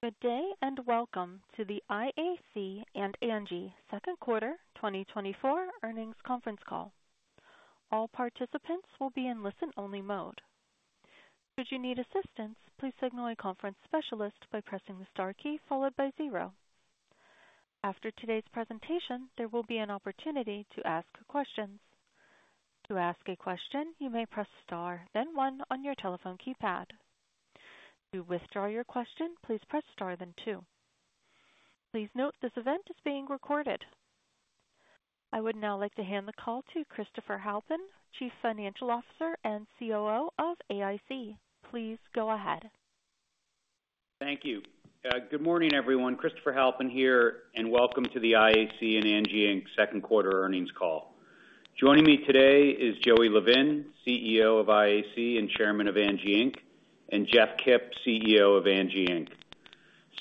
Good day and welcome to the IAC and Angi second quarter 2024 earnings conference call. All participants will be in listen-only mode. Should you need assistance, please signal a conference specialist by pressing the star key followed by zero. After today's presentation, there will be an opportunity to ask questions. To ask a question, you may press star, then one on your telephone keypad. To withdraw your question, please press star, then two. Please note this event is being recorded. I would now like to hand the call to Christopher Halpin, Chief Financial Officer and COO of IAC. Please go ahead. Thank you. Good morning, everyone. Christopher Halpin here, and welcome to the IAC and Angi Inc. second quarter earnings call. Joining me today is Joey Levin, CEO of IAC and Chairman of Angi Inc, and Jeff Kipp, CEO of Angi Inc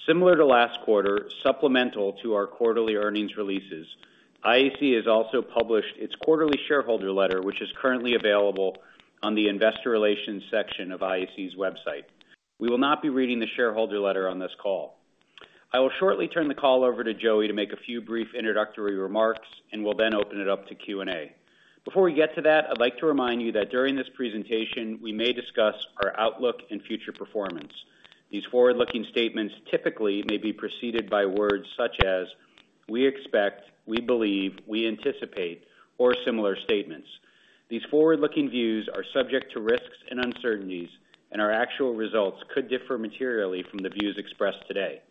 Similar to last quarter, supplemental to our quarterly earnings releases, IAC has also published its quarterly shareholder letter, which is currently available on the investor relations section of IAC's website. We will not be reading the shareholder letter on this call. I will shortly turn the call over to Joey to make a few brief introductory remarks, and we'll then open it up to Q&A. Before we get to that, I'd like to remind you that during this presentation, we may discuss our outlook and future performance. These forward-looking statements typically may be preceded by words such as, "We expect," "We believe," "We anticipate," or similar statements. These forward-looking views are subject to risks and uncertainties, and our actual results could differ materially from the views expressed today.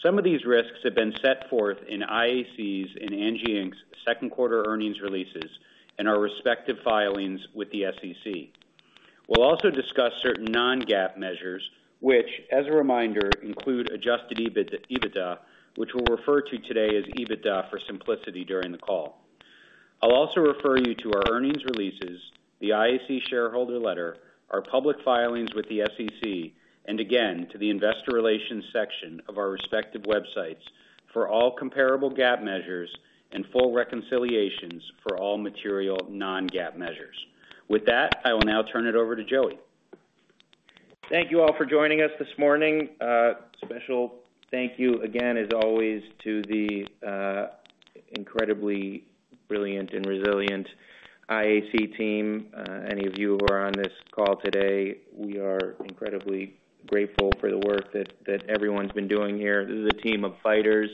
Some of these risks have been set forth in IAC's and Angi Inc.'s second quarter earnings releases and our respective filings with the SEC. We'll also discuss certain non-GAAP measures, which, as a reminder, include adjusted EBITDA, which we'll refer to today as EBITDA for simplicity during the call. I'll also refer you to our earnings releases, the IAC shareholder letter, our public filings with the SEC, and again, to the investor relations section of our respective websites for all comparable GAAP measures and full reconciliations for all material non-GAAP measures. With that, I will now turn it over to Joey. Thank you all for joining us this morning. Special thank you again, as always, to the incredibly brilliant and resilient IAC team, any of you who are on this call today. We are incredibly grateful for the work that everyone's been doing here. This is a team of fighters,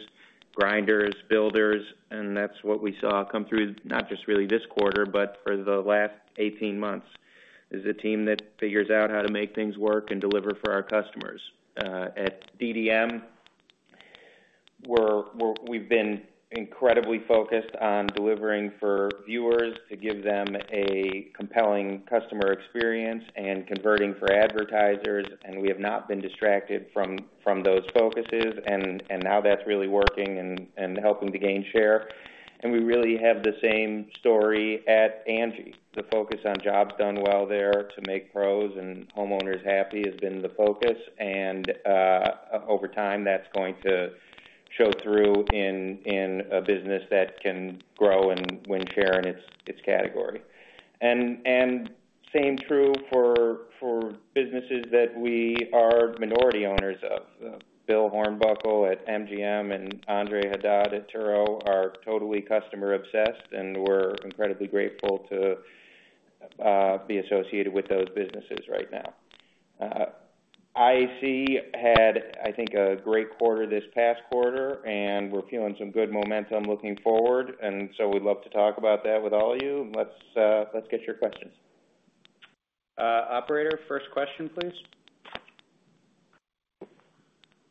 grinders, builders, and that's what we saw come through not just really this quarter, but for the last 18 months. This is a team that figures out how to make things work and deliver for our customers. At DDM, we've been incredibly focused on delivering for viewers to give them a compelling customer experience and converting for advertisers, and we have not been distracted from those focuses, and now that's really working and helping to gain share. We really have the same story at Angi. The focus on jobs done well there to make pros and homeowners happy has been the focus, and over time, that's going to show through in a business that can grow and win share in its category. And same true for businesses that we are minority owners of. Bill Hornbuckle at MGM and Andre Haddad at Turo are totally customer-obsessed, and we're incredibly grateful to be associated with those businesses right now. IAC had, I think, a great quarter this past quarter, and we're feeling some good momentum looking forward, and so we'd love to talk about that with all of you. Let's get your questions. Operator, first question, please.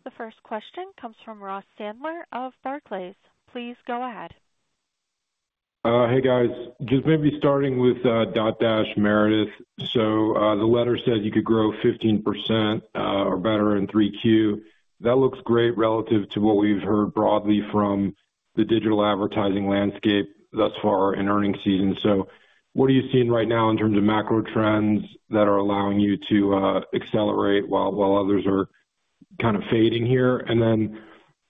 The first question comes from Ross Sandler of Barclays. Please go ahead. Hey, guys. Just maybe starting with Dotdash Meredith. So the letter said you could grow 15% or better in 3Q. That looks great relative to what we've heard broadly from the digital advertising landscape thus far in earnings season. So what are you seeing right now in terms of macro trends that are allowing you to accelerate while others are kind of fading here? And then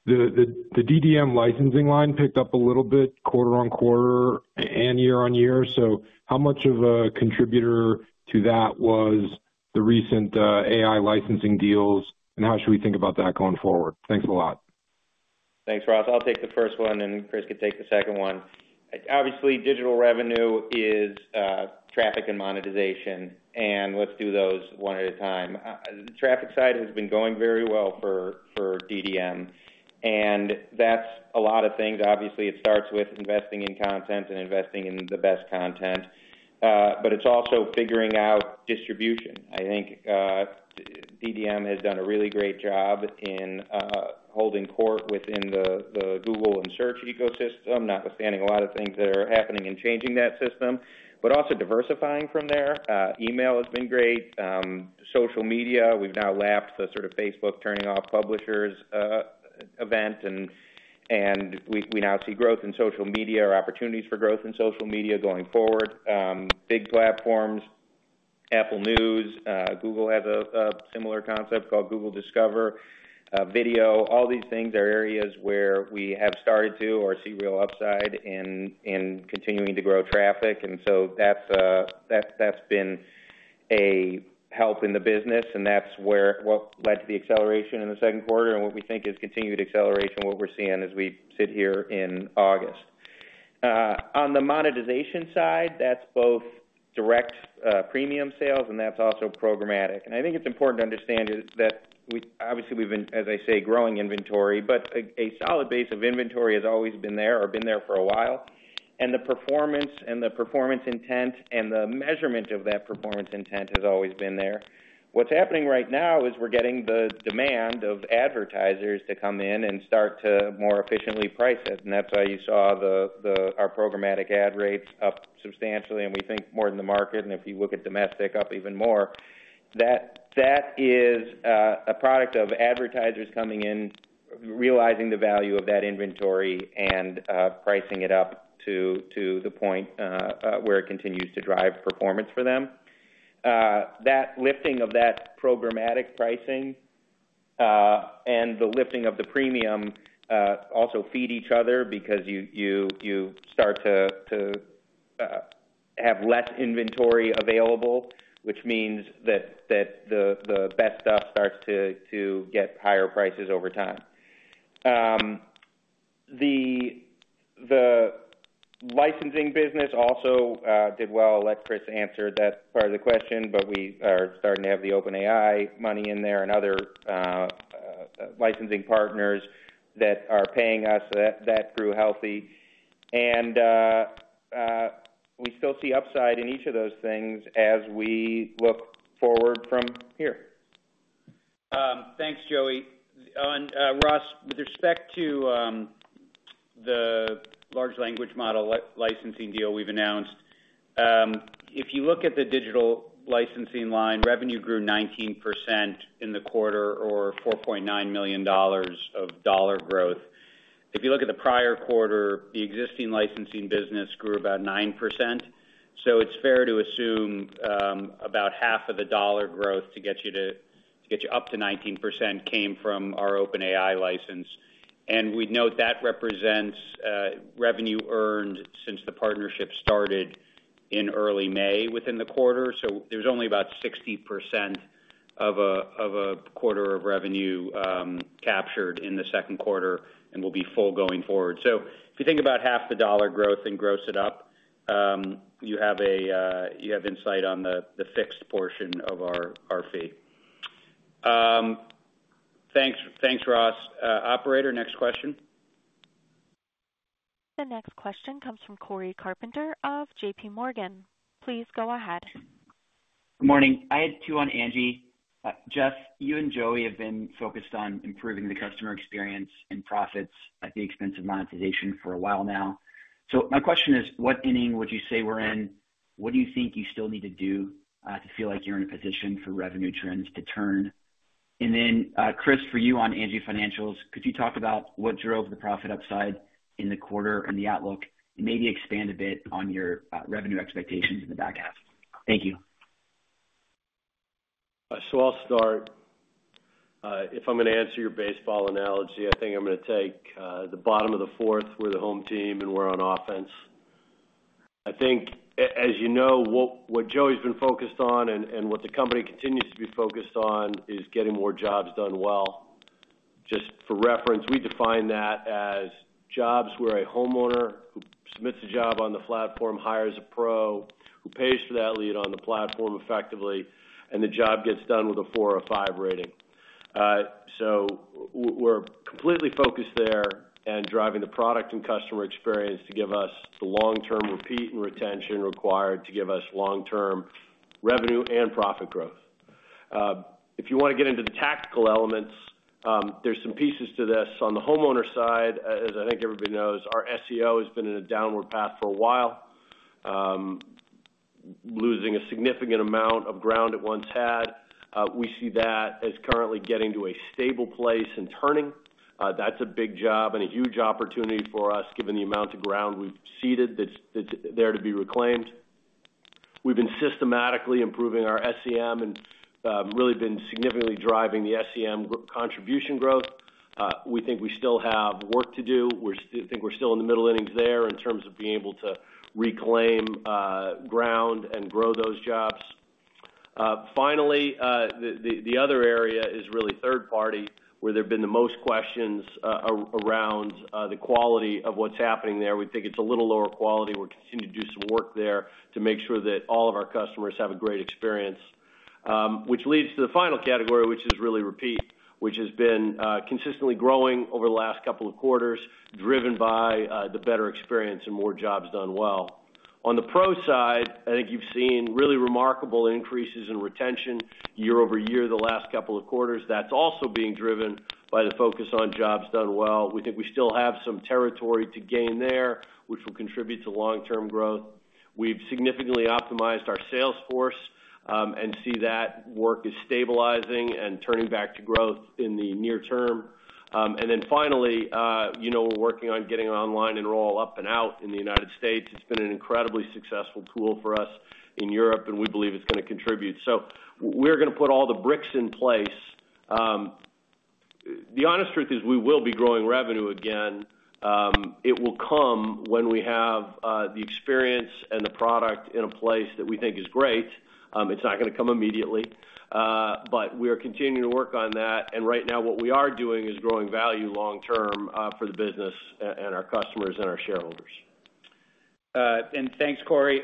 the DDM licensing line picked up a little bit quarter-over-quarter and year-over-year. So how much of a contributor to that was the recent AI licensing deals, and how should we think about that going forward? Thanks a lot. Thanks, Ross. I'll take the first one, and Chris could take the second one. Obviously, digital revenue is traffic and monetization, and let's do those one at a time. The traffic side has been going very well for DDM, and that's a lot of things. Obviously, it starts with investing in content and investing in the best content, but it's also figuring out distribution. I think DDM has done a really great job in holding court within the Google and search ecosystem, notwithstanding a lot of things that are happening and changing that system, but also diversifying from there. Email has been great. Social media, we've now lapped the sort of Facebook turning off publishers event, and we now see growth in social media, or opportunities for growth in social media going forward. Big platforms, Apple News, Google has a similar concept called Google Discover, video. All these things are areas where we have started to, or see real upside in continuing to grow traffic, and so that's been a help in the business, and that's what led to the acceleration in the second quarter and what we think is continued acceleration of what we're seeing as we sit here in August. On the monetization side, that's both direct premium sales, and that's also programmatic. And I think it's important to understand that obviously we've been, as I say, growing inventory, but a solid base of inventory has always been there, or been there for a while, and the performance and the performance intent and the measurement of that performance intent has always been there. What's happening right now is we're getting the demand of advertisers to come in and start to more efficiently price it, and that's why you saw our programmatic ad rates up substantially, and we think more than the market, and if you look at domestic, up even more. That is a product of advertisers coming in, realizing the value of that inventory and pricing it up to the point where it continues to drive performance for them. That lifting of that programmatic pricing and the lifting of the premium also feed each other because you start to have less inventory available, which means that the best stuff starts to get higher prices over time. The licensing business also did well. I'll let Chris answer that part of the question, but we are starting to have the OpenAI money in there and other licensing partners that are paying us. That grew healthy, and we still see upside in each of those things as we look forward from here. Thanks, Joey. Ross, with respect to the large language model licensing deal we've announced, if you look at the digital licensing line, revenue grew 19% in the quarter, or $4.9 million of dollar growth. If you look at the prior quarter, the existing licensing business grew about 9%, so it's fair to assume about $0.50 growth to get you up to 19% came from our OpenAI license. And we'd note that represents revenue earned since the partnership started in early May within the quarter, so there's only about 60% of a quarter of revenue captured in the second quarter and will be full going forward. So if you think about $0.50 growth and gross it up, you have insight on the fixed portion of our fee. Thanks, Ross. Operator, next question. The next question comes from Cory Carpenter of JPMorgan. Please go ahead. Good morning. I had two on Angi. Jeff, you and Joey have been focused on improving the customer experience and profits at the expense of monetization for a while now. So my question is, what ending would you say we're in? What do you think you still need to do to feel like you're in a position for revenue trends to turn? And then Chris, for you on Angi financials, could you talk about what drove the profit upside in the quarter and the outlook, and maybe expand a bit on your revenue expectations in the back half? Thank you. So I'll start. If I'm going to answer your baseball analogy, I think I'm going to take the bottom of the fourth, we're the home team and we're on offense. I think, as you know, what Joey's been focused on and what the company continues to be focused on is getting more jobs done well. Just for reference, we define that as jobs where a homeowner who submits a job on the platform hires a pro who pays for that lead on the platform effectively, and the job gets done with a four or a five rating. So we're completely focused there and driving the product and customer experience to give us the long-term repeat and retention required to give us long-term revenue and profit growth. If you want to get into the tactical elements, there's some pieces to this. On the homeowner side, as I think everybody knows, our SEO has been in a downward path for a while, losing a significant amount of ground it once had. We see that as currently getting to a stable place and turning. That's a big job and a huge opportunity for us, given the amount of ground we've ceded that's there to be reclaimed. We've been systematically improving our SEM and really been significantly driving the SEM contribution growth. We think we still have work to do. I think we're still in the middle innings there in terms of being able to reclaim ground and grow those jobs. Finally, the other area is really third party, where there have been the most questions around the quality of what's happening there. We think it's a little lower quality. We're continuing to do some work there to make sure that all of our customers have a great experience, which leads to the final category, which is really repeat, which has been consistently growing over the last couple of quarters, driven by the better experience and more jobs done well. On the pro side, I think you've seen really remarkable increases in retention year-over-year the last couple of quarters. That's also being driven by the focus on jobs done well. We think we still have some territory to gain there, which will contribute to long-term growth. We've significantly optimized our sales force and see that work is stabilizing and turning back to growth in the near term. And then finally, we're working on getting Online Enroll up and out in the United States. It's been an incredibly successful tool for us in Europe, and we believe it's going to contribute. We're going to put all the bricks in place. The honest truth is we will be growing revenue again. It will come when we have the experience and the product in a place that we think is great. It's not going to come immediately, but we are continuing to work on that, and right now what we are doing is growing value long-term for the business and our customers and our shareholders. Thanks, Cory.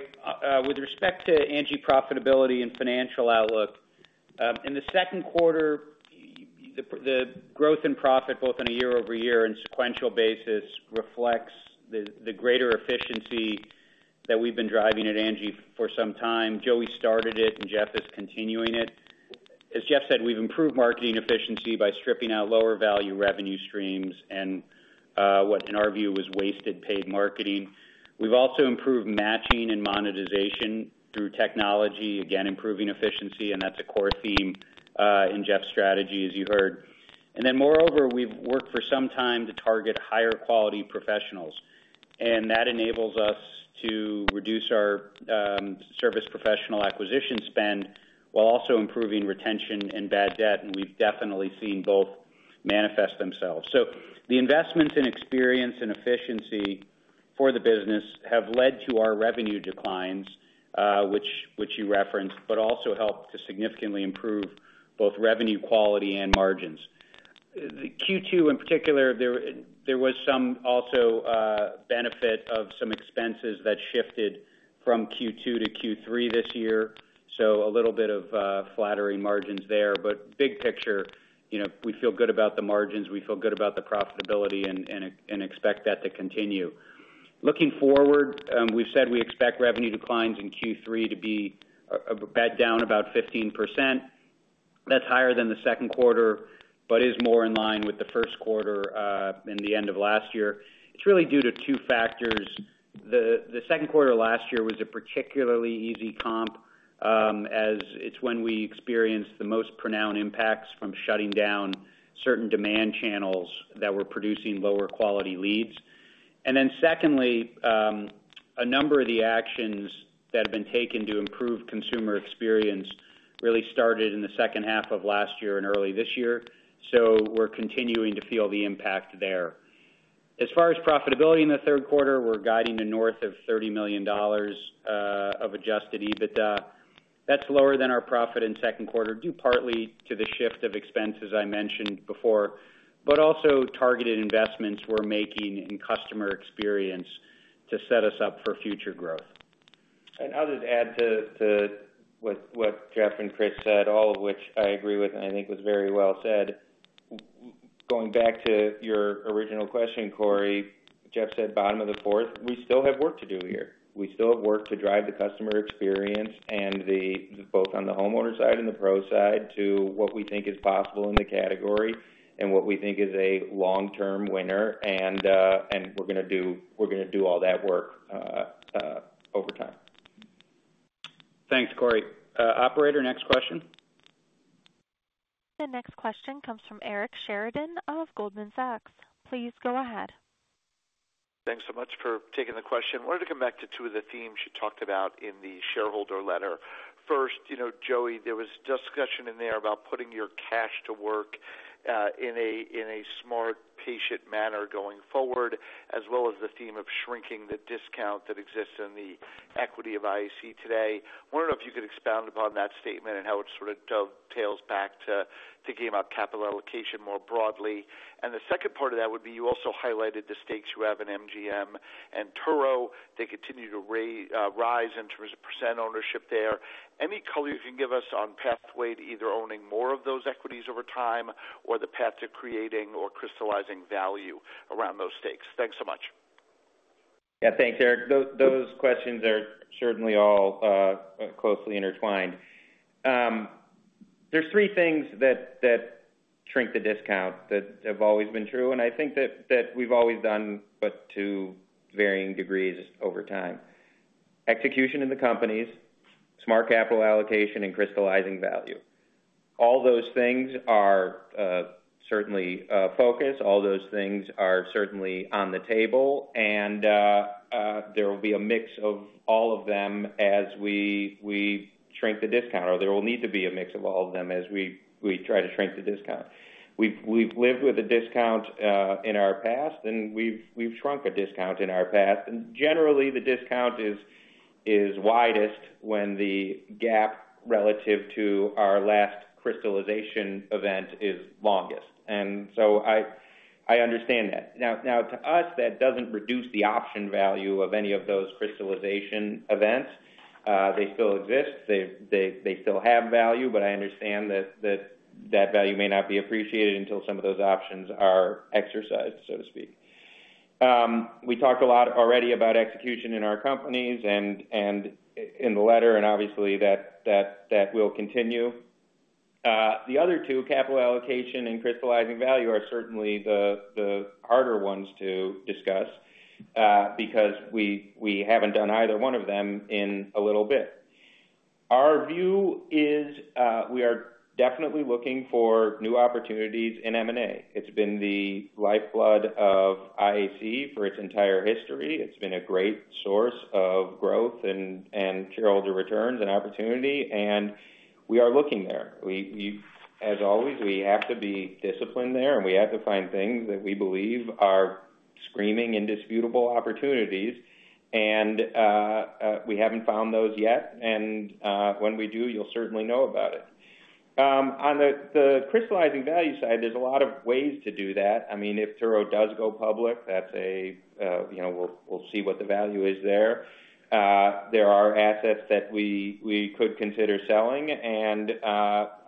With respect to Angi profitability and financial outlook, in the second quarter, the growth in profit, both on a year-over-year and sequential basis, reflects the greater efficiency that we've been driving at Angi for some time. Joey started it, and Jeff is continuing it. As Jeff said, we've improved marketing efficiency by stripping out lower value revenue streams and what, in our view, was wasted paid marketing. We've also improved matching and monetization through technology, again, improving efficiency, and that's a core theme in Jeff's strategy, as you heard. And then moreover, we've worked for some time to target higher quality professionals, and that enables us to reduce our service professional acquisition spend while also improving retention and bad debt, and we've definitely seen both manifest themselves. So the investments in experience and efficiency for the business have led to our revenue declines, which you referenced, but also helped to significantly improve both revenue quality and margins. Q2, in particular, there was some also benefit of some expenses that shifted from Q2 to Q3 this year, so a little bit of flattering margins there, but big picture, we feel good about the margins, we feel good about the profitability, and expect that to continue. Looking forward, we've said we expect revenue declines in Q3 to be back down about 15%. That's higher than the second quarter, but is more in line with the first quarter in the end of last year. It's really due to two factors. The second quarter last year was a particularly easy comp, as it's when we experienced the most pronounced impacts from shutting down certain demand channels that were producing lower quality leads. And then secondly, a number of the actions that have been taken to improve consumer experience really started in the second half of last year and early this year, so we're continuing to feel the impact there. As far as profitability in the third quarter, we're guiding to north of $30 million of Adjusted EBITDA. That's lower than our profit in second quarter, due partly to the shift of expenses I mentioned before, but also targeted investments we're making in customer experience to set us up for future growth. I'll just add to what Jeff and Chris said, all of which I agree with and I think was very well said. Going back to your original question, Cory, Jeff said bottom of the fourth, we still have work to do here. We still have work to drive the customer experience, both on the homeowner side and the pro side, to what we think is possible in the category and what we think is a long-term winner, and we're going to do all that work over time. Thanks, Cory. Operator, next question. The next question comes from Eric Sheridan of Goldman Sachs. Please go ahead. Thanks so much for taking the question. I wanted to come back to two of the themes you talked about in the shareholder letter. First, Joey, there was discussion in there about putting your cash to work in a smart, patient manner going forward, as well as the theme of shrinking the discount that exists in the equity of IAC today. I wonder if you could expound upon that statement and how it sort of dovetails back to thinking about capital allocation more broadly. And the second part of that would be you also highlighted the stakes you have in MGM and Turo. They continue to rise in terms of percent ownership there. Any color you can give us on pathway to either owning more of those equities over time or the path to creating or crystallizing value around those stakes? Thanks so much. Yeah, thanks, Eric. Those questions are certainly all closely intertwined. There's three things that shrink the discount that have always been true, and I think that we've always done. But to varying degrees over time. Execution in the companies, smart capital allocation, and crystallizing value. All those things are certainly a focus. All those things are certainly on the table, and there will be a mix of all of them as we shrink the discount, or there will need to be a mix of all of them as we try to shrink the discount. We've lived with a discount in our past, and we've shrunk a discount in our past, and generally the discount is widest when the gap relative to our last crystallization event is longest. And so I understand that. Now, to us, that doesn't reduce the option value of any of those crystallization events. They still exist. They still have value, but I understand that that value may not be appreciated until some of those options are exercised, so to speak. We talked a lot already about execution in our companies and in the letter, and obviously that will continue. The other two, capital allocation and crystallizing value, are certainly the harder ones to discuss because we haven't done either one of them in a little bit. Our view is we are definitely looking for new opportunities in M&A. It's been the lifeblood of IAC for its entire history. It's been a great source of growth and shareholder returns and opportunity, and we are looking there. As always, we have to be disciplined there, and we have to find things that we believe are screaming indisputable opportunities, and we haven't found those yet, and when we do, you'll certainly know about it. On the crystallizing value side, there's a lot of ways to do that. I mean, if Turo does go public, we'll see what the value is there. There are assets that we could consider selling, and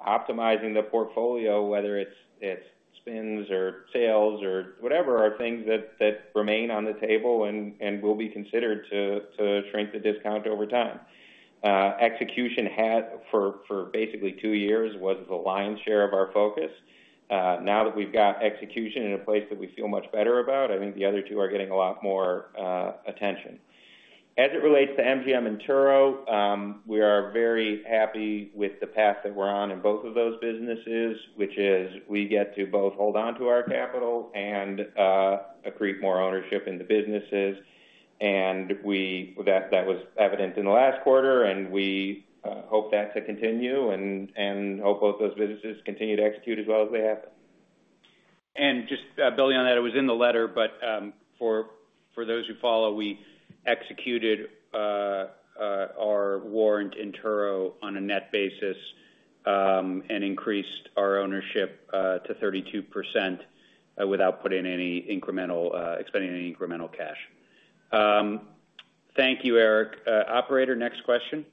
optimizing the portfolio, whether it's spins or sales or whatever, are things that remain on the table and will be considered to shrink the discount over time. Execution for basically two years was the lion's share of our focus. Now that we've got execution in a place that we feel much better about, I think the other two are getting a lot more attention. As it relates to MGM and Turo, we are very happy with the path that we're on in both of those businesses, which is we get to both hold on to our capital and accrete more ownership in the businesses, and that was evident in the last quarter, and we hope that to continue and hope both those businesses continue to execute as well as they have. Just building on that, it was in the letter, but for those who follow, we executed our warrant in Turo on a net basis and increased our ownership to 32% without putting any incremental expending any incremental cash. Thank you, Eric. Operator, next question.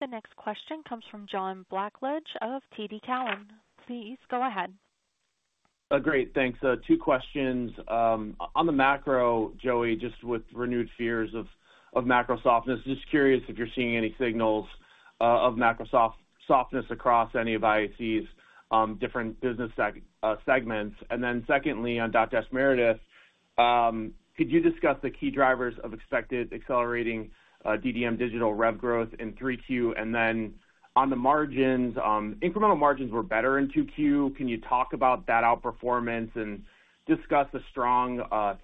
The next question comes from John Blackledge of TD Cowen. Please go ahead. Great. Thanks. Two questions. On the macro, Joey, just with renewed fears of macro softness, just curious if you're seeing any signals of macro softness across any of IAC's different business segments. And then secondly, on Dotdash Meredith, could you discuss the key drivers of expected accelerating DDM digital rev growth in 3Q? And then on the margins, incremental margins were better in 2Q. Can you talk about that outperformance and discuss the strong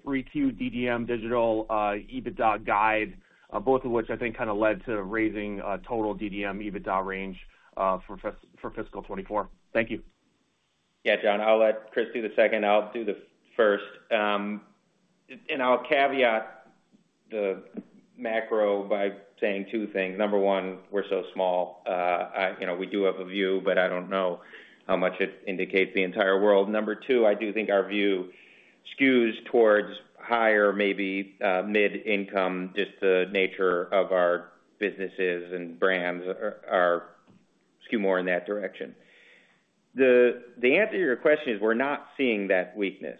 3Q DDM digital EBITDA guide, both of which I think kind of led to raising total DDM EBITDA range for fiscal 2024? Thank you. Yeah, John, I'll let Chris do the second. I'll do the first. And I'll caveat the macro by saying two things. Number one, we're so small. We do have a view, but I don't know how much it indicates the entire world. Number two, I do think our view skews towards higher, maybe mid-income. Just the nature of our businesses and brands skew more in that direction. The answer to your question is we're not seeing that weakness.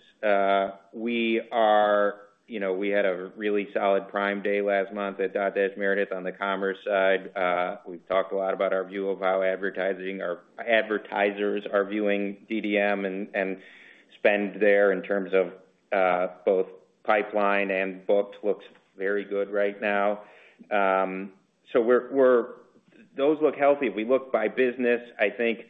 We had a really solid Prime Day last month at Dotdash Meredith on the commerce side. We've talked a lot about our view of how advertisers are viewing DDM and spend there in terms of both pipeline and booked looks very good right now. So those look healthy. If we look by business, I think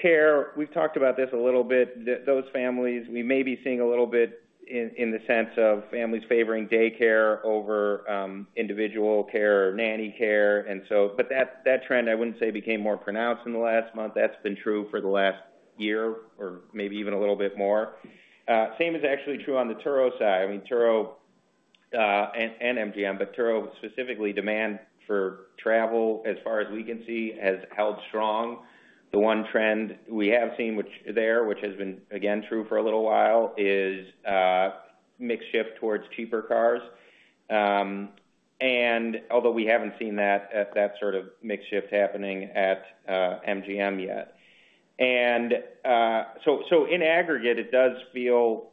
Care, we've talked about this a little bit, those families, we may be seeing a little bit in the sense of families favoring daycare over individual care or nanny care. But that trend I wouldn't say became more pronounced in the last month. That's been true for the last year or maybe even a little bit more. Same is actually true on the Turo side. I mean, Turo and MGM, but Turo specifically, demand for travel, as far as we can see, has held strong. The one trend we have seen there, which has been again true for a little while, is mix shift towards cheaper cars. And although we haven't seen that sort of mix shift happening at MGM yet. And so in aggregate, it does feel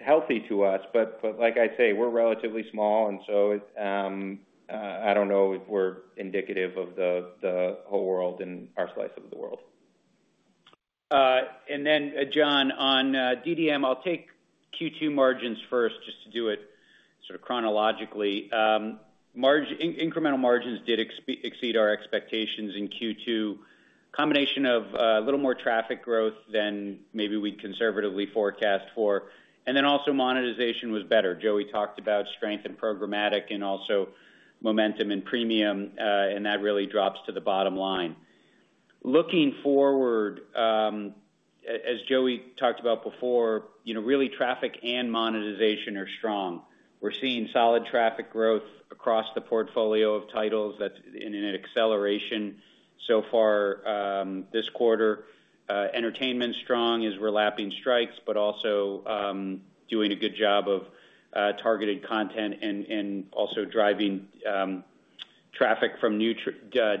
healthy to us, but like I say, we're relatively small, and so I don't know if we're indicative of the whole world and our slice of the world. And then, John, on DDM, I'll take Q2 margins first just to do it sort of chronologically. Incremental margins did exceed our expectations in Q2, a combination of a little more traffic growth than maybe we'd conservatively forecast for, and then also monetization was better. Joey talked about strength in programmatic and also momentum in premium, and that really drops to the bottom line. Looking forward, as Joey talked about before, really traffic and monetization are strong. We're seeing solid traffic growth across the portfolio of titles. That's in an acceleration so far this quarter. Entertainment's strong as we're lapping strikes, but also doing a good job of targeted content and also driving traffic from new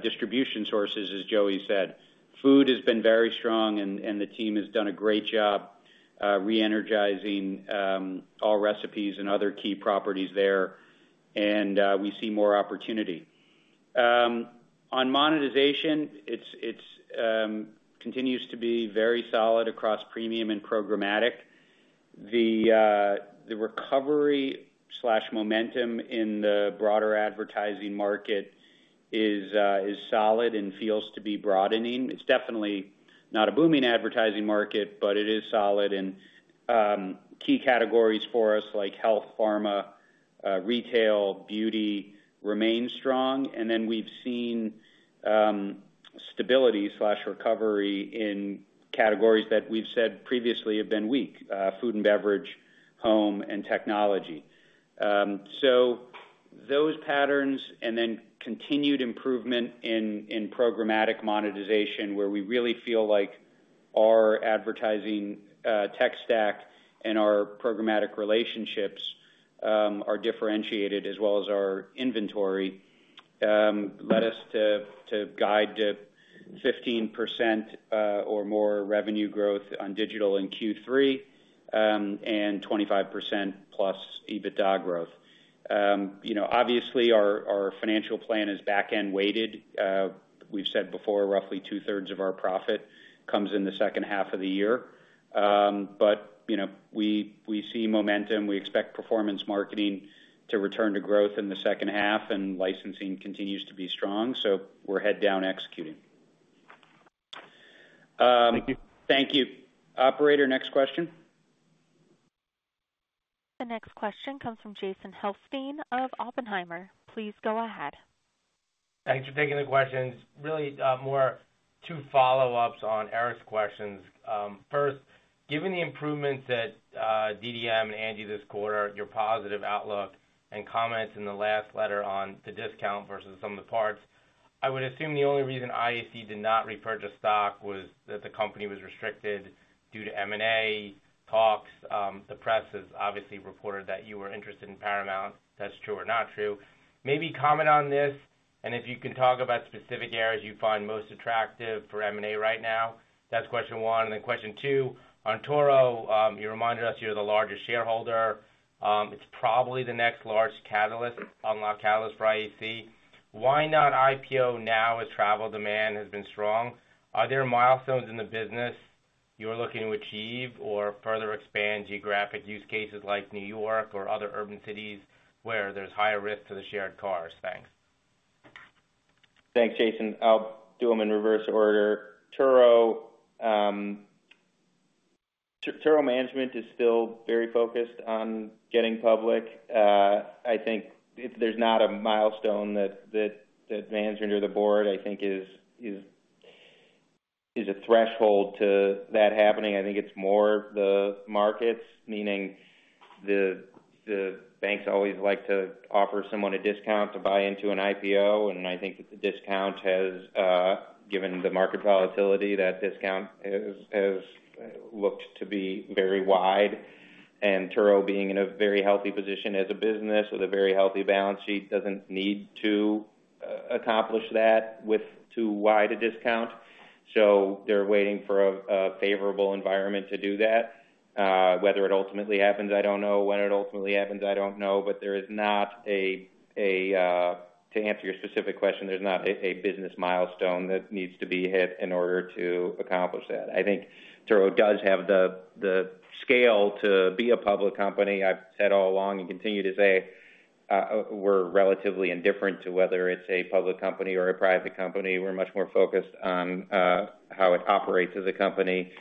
distribution sources, as Joey said. Food has been very strong, and the team has done a great job re-energizing Allrecipes and other key properties there, and we see more opportunity. On monetization, it continues to be very solid across premium and programmatic. The recovery and momentum in the broader advertising market is solid and feels to be broadening. It's definitely not a booming advertising market, but it is solid, and key categories for us like health, pharma, retail, beauty remain strong. Then we've seen stability and recovery in categories that we've said previously have been weak: food and beverage, home, and technology. Those patterns and then continued improvement in programmatic monetization, where we really feel like our advertising tech stack and our programmatic relationships are differentiated, as well as our inventory, led us to guide to 15% or more revenue growth on digital in Q3 and 25%+ EBITDA growth. Obviously, our financial plan is back-end weighted. We've said before roughly two-thirds of our profit comes in the second half of the year, but we see momentum. We expect performance marketing to return to growth in the second half, and licensing continues to be strong, so we're head-down executing. Thank you. Thank you. Operator, next question. The next question comes from Jason Helfstein of Oppenheimer. Please go ahead. Thanks for taking the questions. Really more two follow-ups on Eric's questions. First, given the improvements at DDM and Angi this quarter, your positive outlook, and comments in the last letter on the discount versus some of the parts, I would assume the only reason IAC did not repurchase stock was that the company was restricted due to M&A talks. The press has obviously reported that you were interested in Paramount. That's true or not true? Maybe comment on this, and if you can talk about specific areas you find most attractive for M&A right now. That's question one. And then question two, on Turo, you reminded us you're the largest shareholder. It's probably the next large catalyst, unlock catalyst for IAC. Why not IPO now as travel demand has been strong? Are there milestones in the business you're looking to achieve or further expand geographic use cases like New York or other urban cities where there's higher risk to the shared cars? Thanks. Thanks, Jason. I'll do them in reverse order. Turo management is still very focused on getting public. I think there's not a milestone that management or the board, I think, is a threshold to that happening. I think it's more the markets, meaning the banks always like to offer someone a discount to buy into an IPO, and I think that the discount has given the market volatility that discount has looked to be very wide. And Turo, being in a very healthy position as a business with a very healthy balance sheet, doesn't need to accomplish that with too wide a discount. So they're waiting for a favorable environment to do that. Whether it ultimately happens, I don't know. When it ultimately happens, I don't know, but there is not, to answer your specific question, there's not a business milestone that needs to be hit in order to accomplish that. I think Turo does have the scale to be a public company. I've said all along and continue to say we're relatively indifferent to whether it's a public company or a private company. We're much more focused on how it operates as a company.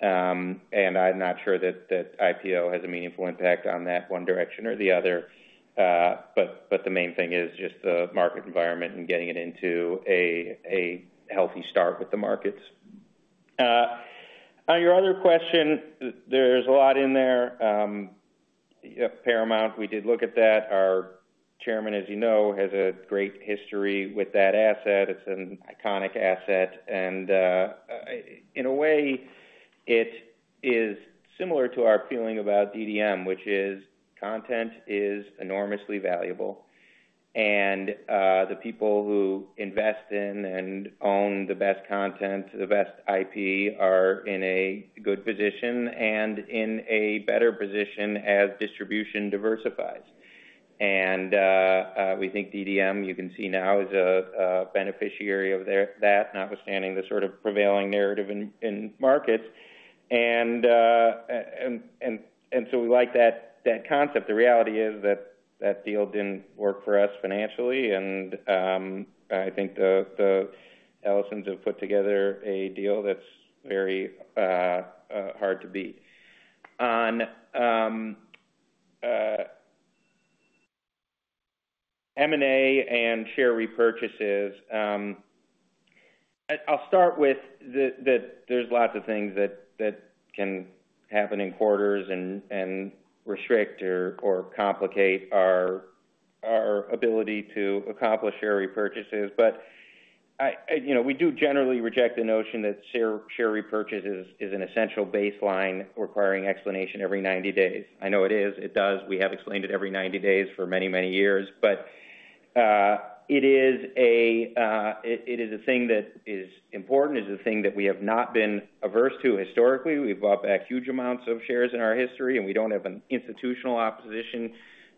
And I'm not sure that IPO has a meaningful impact on that one direction or the other, but the main thing is just the market environment and getting it into a healthy start with the markets. On your other question, there's a lot in there. Paramount, we did look at that. Our chairman, as you know, has a great history with that asset. It's an iconic asset. In a way, it is similar to our feeling about DDM, which is content is enormously valuable, and the people who invest in and own the best content, the best IP, are in a good position and in a better position as distribution diversifies. We think DDM, you can see now, is a beneficiary of that, notwithstanding the sort of prevailing narrative in markets. So we like that concept. The reality is that that deal didn't work for us financially, and I think the Ellisons have put together a deal that's very hard to beat. On M&A and share repurchases, I'll start with that there's lots of things that can happen in quarters and restrict or complicate our ability to accomplish share repurchases. We do generally reject the notion that share repurchase is an essential baseline requiring explanation every 90 days. I know it is. It does. We have explained it every 90 days for many, many years. But it is a thing that is important. It's a thing that we have not been averse to historically. We've bought back huge amounts of shares in our history, and we don't have an institutional opposition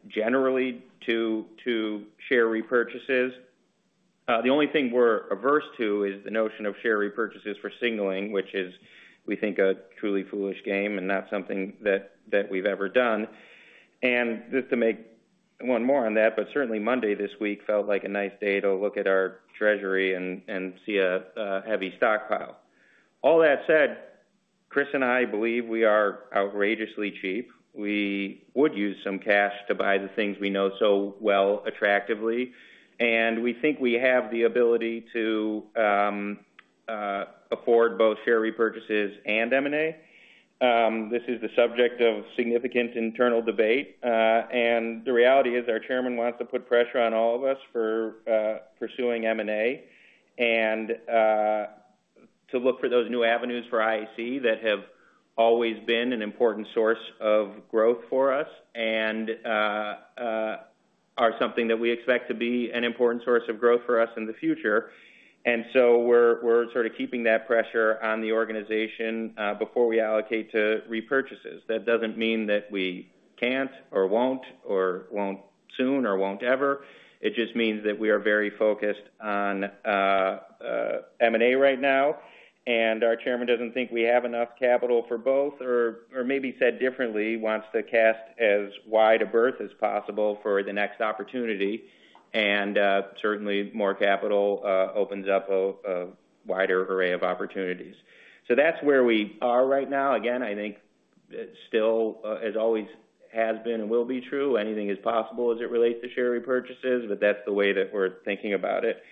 generally to share repurchases. The only thing we're averse to is the notion of share repurchases for signaling, which is, we think, a truly foolish game and not something that we've ever done. And just to make one more on that, but certainly Monday this week felt like a nice day to look at our treasury and see a heavy stockpile. All that said, Chris and I believe we are outrageously cheap. We would use some cash to buy the things we know so well attractively, and we think we have the ability to afford both share repurchases and M&A. This is the subject of significant internal debate. The reality is our chairman wants to put pressure on all of us for pursuing M&A and to look for those new avenues for IAC that have always been an important source of growth for us and are something that we expect to be an important source of growth for us in the future. So we're sort of keeping that pressure on the organization before we allocate to repurchases. That doesn't mean that we can't or won't or won't soon or won't ever. It just means that we are very focused on M&A right now, and our chairman doesn't think we have enough capital for both, or maybe said differently, wants to cast as wide a berth as possible for the next opportunity. Certainly, more capital opens up a wider array of opportunities. That's where we are right now. Again, I think still, as always has been and will be true, anything is possible as it relates to share repurchases, but that's the way that we're thinking about it.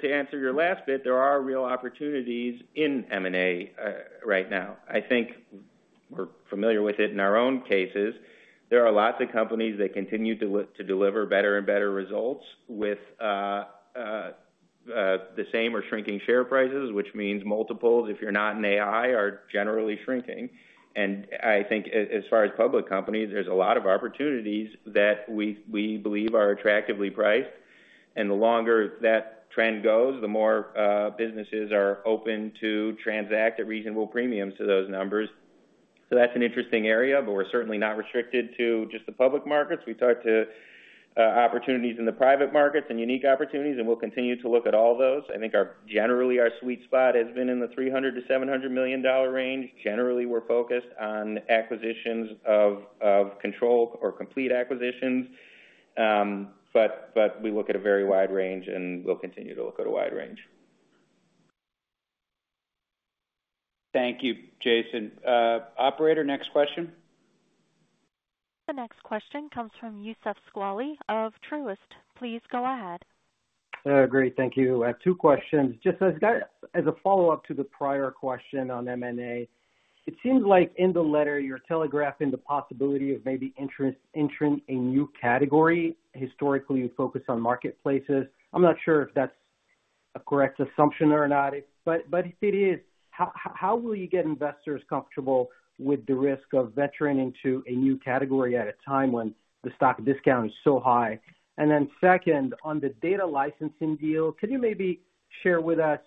To answer your last bit, there are real opportunities in M&A right now. I think we're familiar with it in our own cases. There are lots of companies that continue to deliver better and better results with the same or shrinking share prices, which means multiples if you're not in AI are generally shrinking. I think as far as public companies, there's a lot of opportunities that we believe are attractively priced. The longer that trend goes, the more businesses are open to transact at reasonable premiums to those numbers. That's an interesting area, but we're certainly not restricted to just the public markets. We talked to opportunities in the private markets and unique opportunities, and we'll continue to look at all those. I think generally our sweet spot has been in the $300 million-$700 million range. Generally, we're focused on acquisitions of control or complete acquisitions, but we look at a very wide range, and we'll continue to look at a wide range. Thank you, Jason. Operator, next question. The next question comes from Youssef Squali of Truist. Please go ahead. Great. Thank you. I have two questions. Just as a follow-up to the prior question on M&A, it seems like in the letter you're telegraphing the possibility of maybe entering a new category. Historically, you focus on marketplaces. I'm not sure if that's a correct assumption or not, but if it is, how will you get investors comfortable with the risk of venturing into a new category at a time when the stock discount is so high? And then second, on the data licensing deal, could you maybe share with us,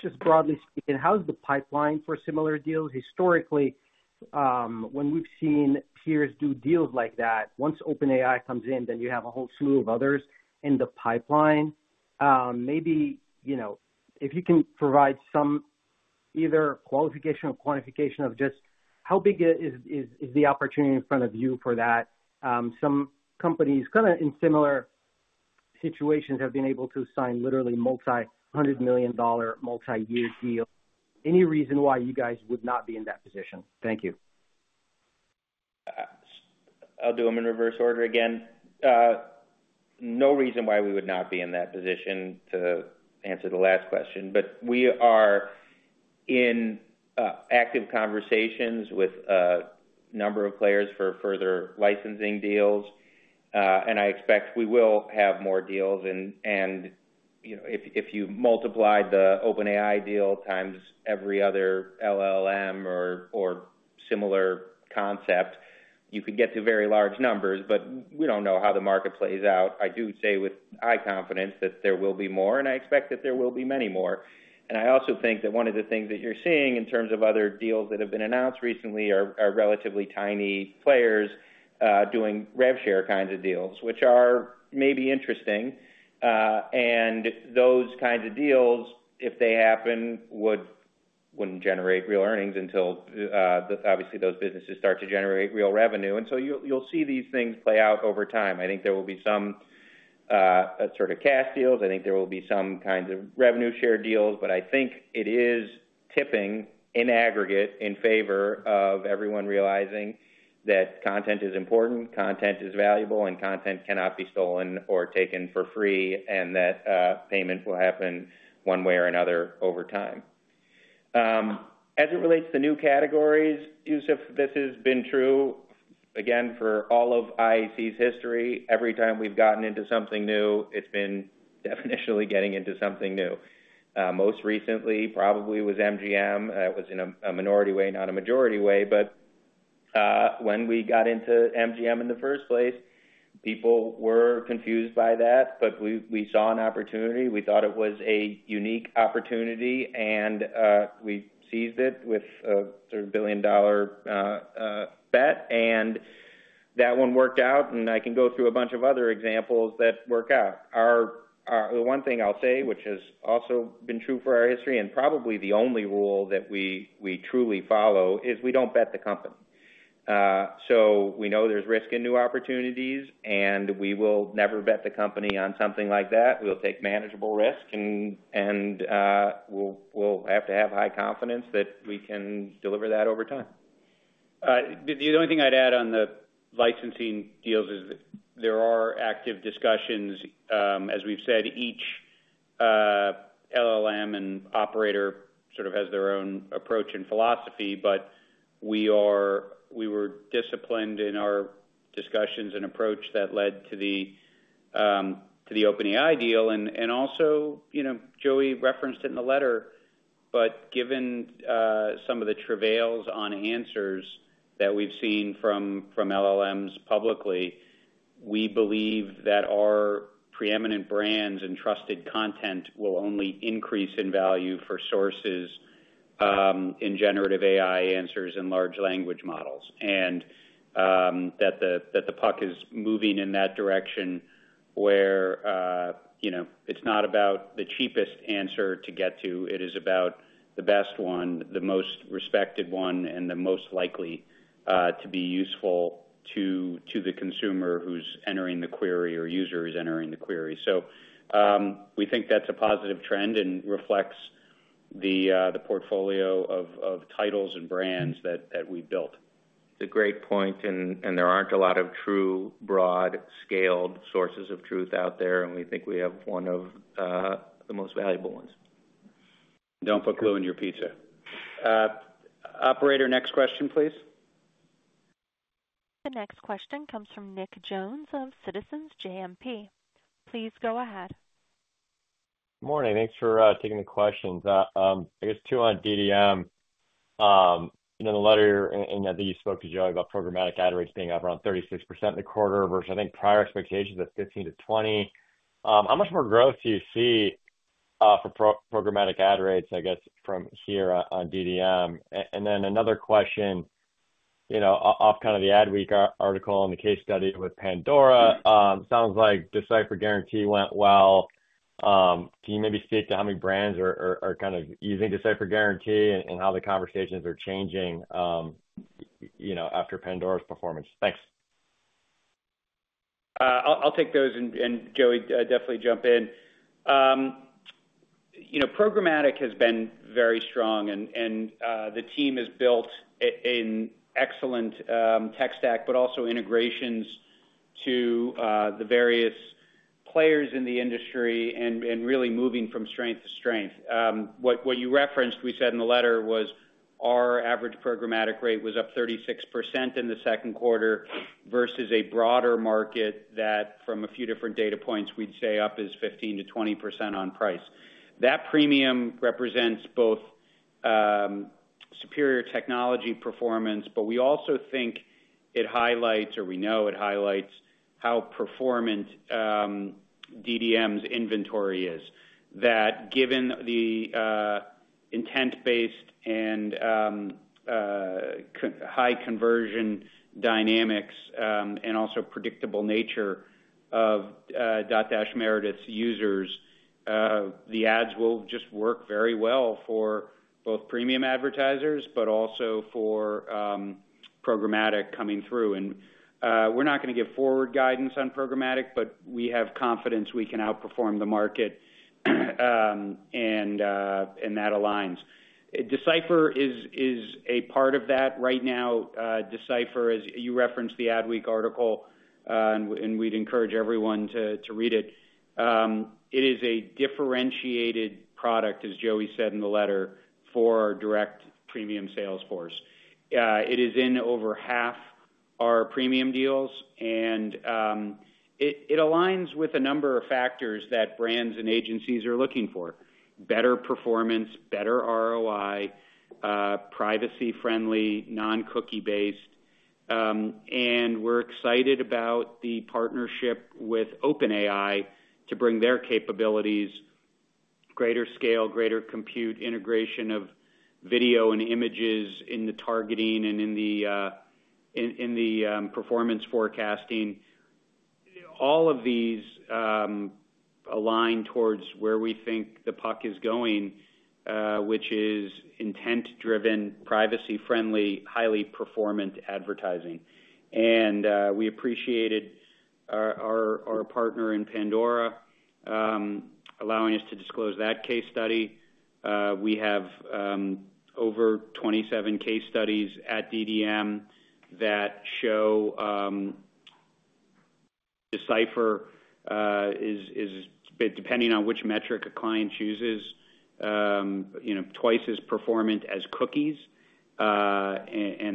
just broadly speaking, how's the pipeline for similar deals? Historically, when we've seen peers do deals like that, once OpenAI comes in, then you have a whole slew of others in the pipeline. Maybe if you can provide some either qualification or quantification of just how big is the opportunity in front of you for that? Some companies kind of in similar situations have been able to sign literally multi-hundred million dollar, multi-year deal. Any reason why you guys would not be in that position? Thank you. I'll do them in reverse order again. No reason why we would not be in that position to answer the last question, but we are in active conversations with a number of players for further licensing deals, and I expect we will have more deals. And if you multiply the OpenAI deal times every other LLM or similar concept, you could get to very large numbers, but we don't know how the market plays out. I do say with high confidence that there will be more, and I expect that there will be many more. And I also think that one of the things that you're seeing in terms of other deals that have been announced recently are relatively tiny players doing rev share kinds of deals, which are maybe interesting. Those kinds of deals, if they happen, wouldn't generate real earnings until obviously those businesses start to generate real revenue. You'll see these things play out over time. I think there will be some sort of cash deals. I think there will be some kinds of revenue share deals, but I think it is tipping in aggregate in favor of everyone realizing that content is important, content is valuable, and content cannot be stolen or taken for free, and that payment will happen one way or another over time. As it relates to new categories, Youssef, this has been true again for all of IAC's history. Every time we've gotten into something new, it's been definitionally getting into something new. Most recently, probably was MGM. It was in a minority way, not a majority way, but when we got into MGM in the first place, people were confused by that, but we saw an opportunity. We thought it was a unique opportunity, and we seized it with a sort of billion-dollar bet, and that one worked out. And I can go through a bunch of other examples that work out. The one thing I'll say, which has also been true for our history and probably the only rule that we truly follow, is we don't bet the company. So we know there's risk in new opportunities, and we will never bet the company on something like that. We'll take manageable risk, and we'll have to have high confidence that we can deliver that over time. The only thing I'd add on the licensing deals is that there are active discussions. As we've said, each LLM and operator sort of has their own approach and philosophy, but we were disciplined in our discussions and approach that led to the OpenAI deal. And also, Joey referenced it in the letter, but given some of the travails on answers that we've seen from LLMs publicly, we believe that our preeminent brands and trusted content will only increase in value for sources in generative AI answers and large language models, and that the puck is moving in that direction where it's not about the cheapest answer to get to. It is about the best one, the most respected one, and the most likely to be useful to the consumer who's entering the query or user who's entering the query. So we think that's a positive trend and reflects the portfolio of titles and brands that we've built. It's a great point, and there aren't a lot of true, broad, scaled sources of truth out there, and we think we have one of the most valuable ones. Don't put glue in your pizza. Operator, next question, please. The next question comes from Nick Jones of Citizens JMP. Please go ahead. Morning. Thanks for taking the questions. I guess two on DDM. In the letter that you spoke to Joey about programmatic ad rates being up around 36% in the quarter versus I think prior expectations of 15%-20%. How much more growth do you see for programmatic ad rates, I guess, from here on DDM? And then another question off kind of the Adweek article and the case study with Pandora. Sounds like D/Cipher Guarantee went well. Can you maybe speak to how many brands are kind of using D/Cipher Guarantee and how the conversations are changing after Pandora's performance? Thanks. I'll take those, and Joey definitely jump in. Programmatic has been very strong, and the team has built an excellent tech stack, but also integrations to the various players in the industry and really moving from strength to strength. What you referenced, we said in the letter, was our average programmatic rate was up 36% in the second quarter versus a broader market that from a few different data points we'd say up is 15%-20% on price. That premium represents both superior technology performance, but we also think it highlights, or we know it highlights, how performant DDM's inventory is. That given the intent-based and high conversion dynamics and also predictable nature of Dotdash Meredith's users, the ads will just work very well for both premium advertisers, but also for programmatic coming through. We're not going to give forward guidance on programmatic, but we have confidence we can outperform the market, and that aligns. D/Cipher is a part of that right now. D/Cipher, as you referenced the Adweek article, and we'd encourage everyone to read it, it is a differentiated product, as Joey said in the letter, for our direct premium sales force. It is in over half our premium deals, and it aligns with a number of factors that brands and agencies are looking for: better performance, better ROI, privacy-friendly, non-cookie-based. We're excited about the partnership with OpenAI to bring their capabilities, greater scale, greater compute, integration of video and images in the targeting and in the performance forecasting. All of these align towards where we think the puck is going, which is intent-driven, privacy-friendly, highly performant advertising. We appreciated our partner in Pandora allowing us to disclose that case study. We have over 27 case studies at DDM that show D/Cipher is, depending on which metric a client chooses, twice as performant as cookies. A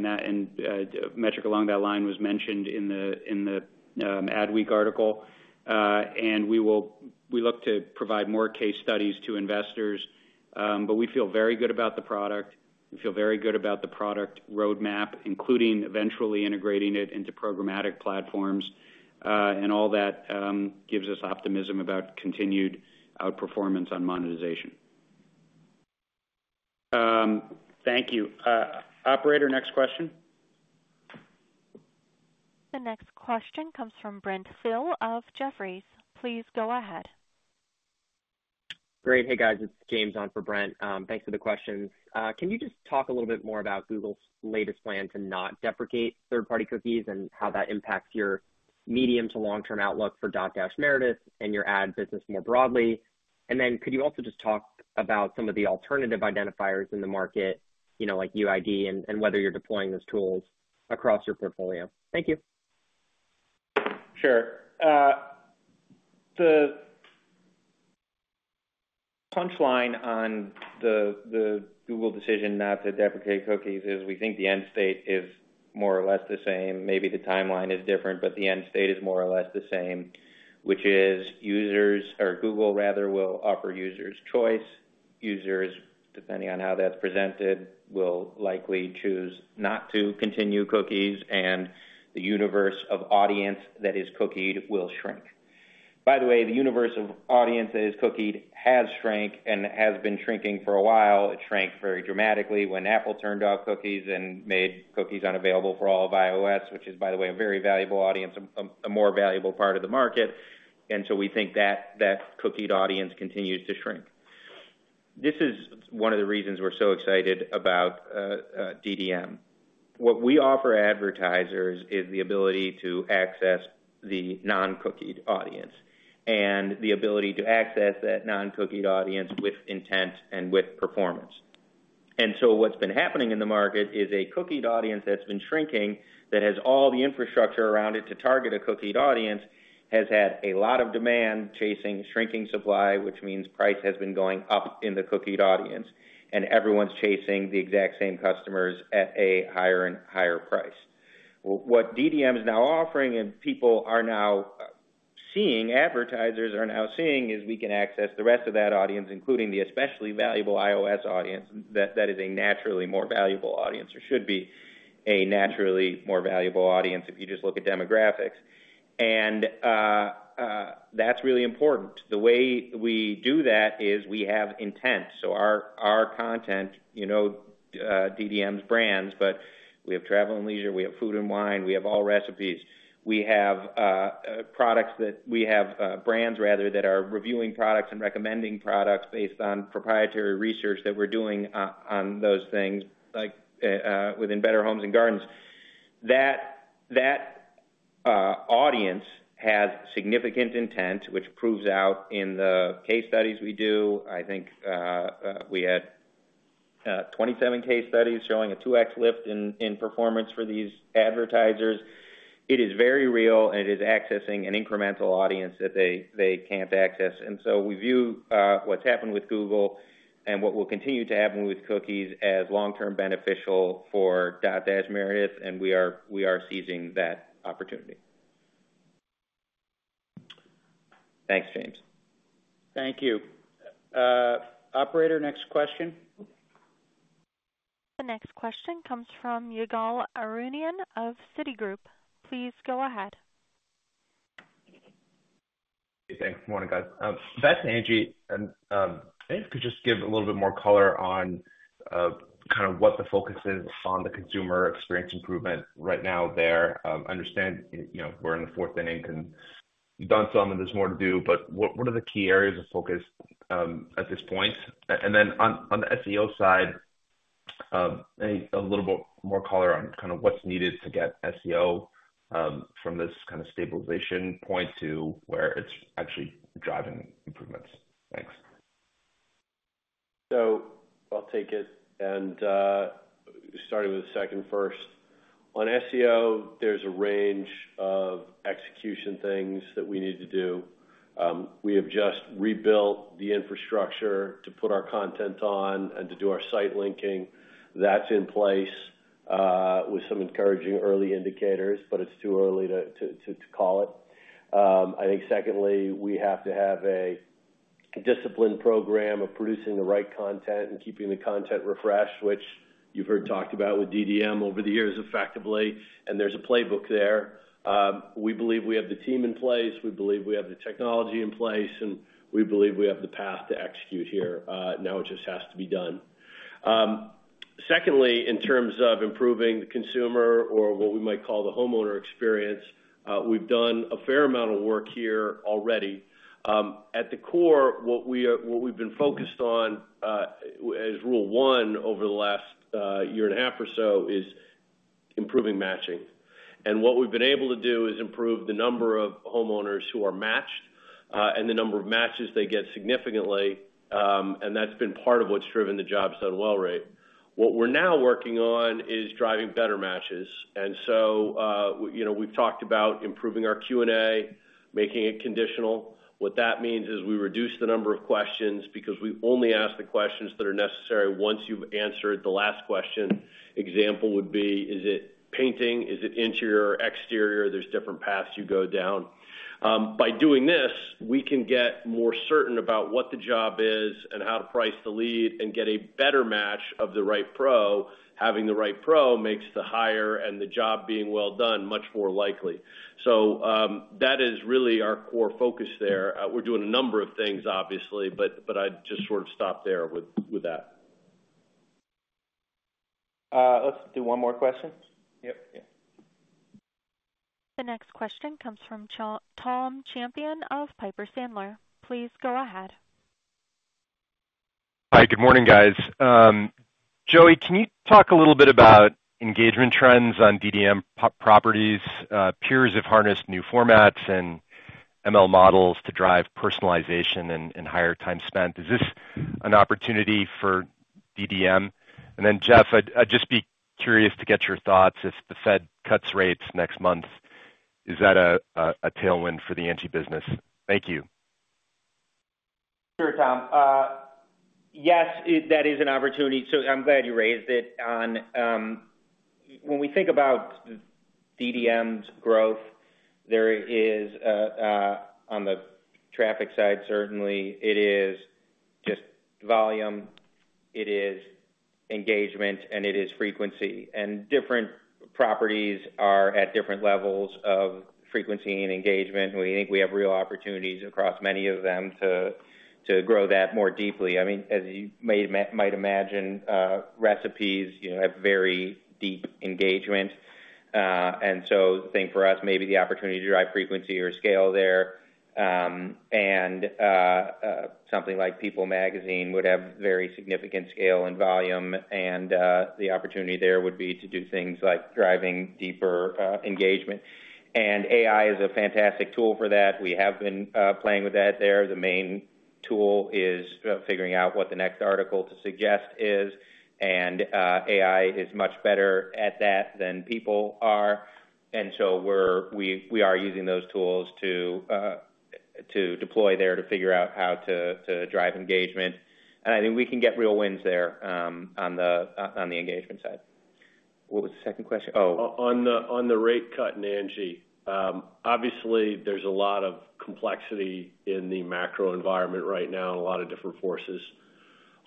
metric along that line was mentioned in the Adweek article. We look to provide more case studies to investors, but we feel very good about the product. We feel very good about the product roadmap, including eventually integrating it into programmatic platforms, and all that gives us optimism about continued outperformance on monetization. Thank you. Operator, next question. The next question comes from Brent Thill of Jefferies. Please go ahead. Great. Hey, guys. It's James on for Brent. Thanks for the questions. Can you just talk a little bit more about Google's latest plan to not deprecate third-party cookies and how that impacts your medium to long-term outlook for Dotdash Meredith and your ad business more broadly? And then could you also just talk about some of the alternative identifiers in the market, like UID, and whether you're deploying those tools across your portfolio? Thank you. Sure. The punchline on the Google decision not to deprecate cookies is we think the end state is more or less the same. Maybe the timeline is different, but the end state is more or less the same, which is users or Google, rather, will offer users choice. Users, depending on how that's presented, will likely choose not to continue cookies, and the universe of audience that is cookied will shrink. By the way, the universe of audience that is cookied has shrank and has been shrinking for a while. It shrank very dramatically when Apple turned off cookies and made cookies unavailable for all of iOS, which is, by the way, a very valuable audience, a more valuable part of the market. And so we think that cookied audience continues to shrink. This is one of the reasons we're so excited about DDM. What we offer advertisers is the ability to access the non-cookied audience and the ability to access that non-cookied audience with intent and with performance. And so what's been happening in the market is a cookied audience that's been shrinking that has all the infrastructure around it to target a cookied audience has had a lot of demand chasing shrinking supply, which means price has been going up in the cookied audience, and everyone's chasing the exact same customers at a higher and higher price. What DDM is now offering, and people are now seeing, advertisers are now seeing, is we can access the rest of that audience, including the especially valuable iOS audience that is a naturally more valuable audience or should be a naturally more valuable audience if you just look at demographics. And that's really important. The way we do that is we have intent. So our content, DDM's brands, but we have Travel + Leisure, we have Food & Wine, we have Allrecipes. We have products that we have brands, rather, that are reviewing products and recommending products based on proprietary research that we're doing on those things within Better Homes & Gardens. That audience has significant intent, which proves out in the case studies we do. I think we had 27 case studies showing a 2x lift in performance for these advertisers. It is very real, and it is accessing an incremental audience that they can't access. And so we view what's happened with Google and what will continue to happen with cookies as long-term beneficial for Dotdash Meredith, and we are seizing that opportunity. Thanks, James. Thank you. Operator, next question. The next question comes from Ygal Arounian of Citigroup. Please go ahead. Thanks. Morning, guys. That's Angi. If you could just give a little bit more color on kind of what the focus is on the consumer experience improvement right now there. I understand we're in the fourth inning and done some, and there's more to do, but what are the key areas of focus at this point? And then on the SEO side, a little bit more color on kind of what's needed to get SEO from this kind of stabilization point to where it's actually driving improvements. Thanks. So I'll take it. Starting with the second first, on SEO, there's a range of execution things that we need to do. We have just rebuilt the infrastructure to put our content on and to do our site linking. That's in place with some encouraging early indicators, but it's too early to call it. I think secondly, we have to have a disciplined program of producing the right content and keeping the content refreshed, which you've heard talked about with DDM over the years effectively, and there's a playbook there. We believe we have the team in place. We believe we have the technology in place, and we believe we have the path to execute here. Now it just has to be done. Secondly, in terms of improving the consumer or what we might call the homeowner experience, we've done a fair amount of work here already. At the core, what we've been focused on as rule one over the last year and a half or so is improving matching. What we've been able to do is improve the number of homeowners who are matched and the number of matches they get significantly, and that's been part of what's driven the jobs done well rate. What we're now working on is driving better matches. We've talked about improving our Q&A, making it conditional. What that means is we reduce the number of questions because we only ask the questions that are necessary once you've answered the last question. Example would be, is it painting? Is it interior or exterior? There's different paths you go down. By doing this, we can get more certain about what the job is and how to price the lead and get a better match of the right pro. Having the right pro makes the hire and the job being well done much more likely. That is really our core focus there. We're doing a number of things, obviously, but I'd just sort of stop there with that. Let's do one more question. Yep. Yeah. The next question comes from Tom Champion of Piper Sandler. Please go ahead. Hi. Good morning, guys. Joey, can you talk a little bit about engagement trends on DDM properties? Peers have harnessed new formats and ML models to drive personalization and higher time spent. Is this an opportunity for DDM? And then Jeff, I'd just be curious to get your thoughts. If the Fed cuts rates next month, is that a tailwind for the Angi business? Thank you. Sure, Tom. Yes, that is an opportunity. So I'm glad you raised it. When we think about DDM's growth, there is, on the traffic side, certainly, it is just volume, it is engagement, and it is frequency. Different properties are at different levels of frequency and engagement. We think we have real opportunities across many of them to grow that more deeply. I mean, as you might imagine, recipes have very deep engagement. So I think for us, maybe the opportunity to drive frequency or scale there. Something like People Magazine would have very significant scale and volume, and the opportunity there would be to do things like driving deeper engagement. AI is a fantastic tool for that. We have been playing with that there. The main tool is figuring out what the next article to suggest is, and AI is much better at that than people are. And so we are using those tools to deploy there to figure out how to drive engagement. And I think we can get real wins there on the engagement side. What was the second question? Oh. On the rate cut and Angi, obviously, there's a lot of complexity in the macro environment right now and a lot of different forces.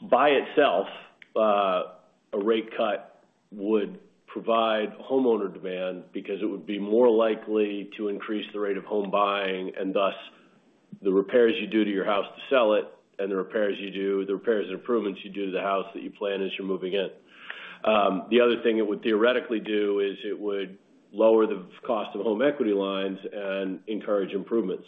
By itself, a rate cut would provide homeowner demand because it would be more likely to increase the rate of home buying and thus the repairs you do to your house to sell it and the repairs you do, the repairs and improvements you do to the house that you plan as you're moving in. The other thing it would theoretically do is it would lower the cost of home equity lines and encourage improvements.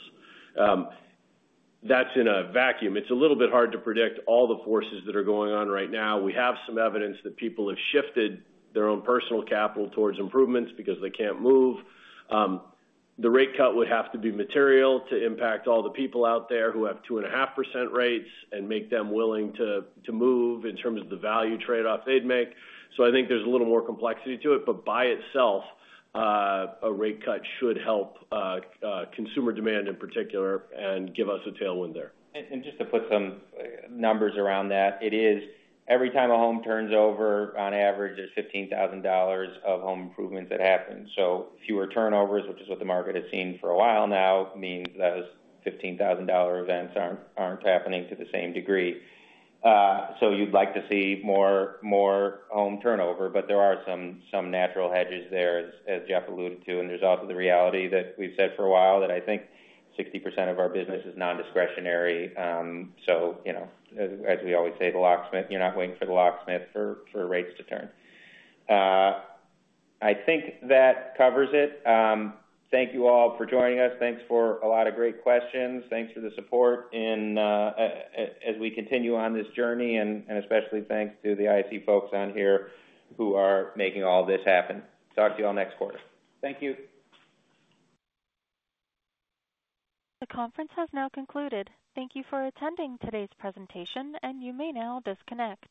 That's in a vacuum. It's a little bit hard to predict all the forces that are going on right now. We have some evidence that people have shifted their own personal capital towards improvements because they can't move. The rate cut would have to be material to impact all the people out there who have 2.5% rates and make them willing to move in terms of the value trade-off they'd make. So I think there's a little more complexity to it, but by itself, a rate cut should help consumer demand in particular and give us a tailwind there. Just to put some numbers around that, it is every time a home turns over, on average, there's $15,000 of home improvements that happen. Fewer turnovers, which is what the market has seen for a while now, means those $15,000 events aren't happening to the same degree. You'd like to see more home turnover, but there are some natural hedges there, as Jeff alluded to, and there's also the reality that we've said for a while that I think 60% of our business is non-discretionary. As we always say, the locksmith, you're not waiting for the locksmith for rates to turn. I think that covers it. Thank you all for joining us. Thanks for a lot of great questions. Thanks for the support as we continue on this journey, and especially thanks to the IAC folks on here who are making all this happen. Talk to you all next quarter. Thank you. The conference has now concluded. Thank you for attending today's presentation, and you may now disconnect.